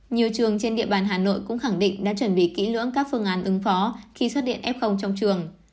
nhiều trường trên địa bàn hà nội cũng khẳng định đã chuẩn bị kỹ lưỡng các phương án ứng phó khi xuất điện f trong trường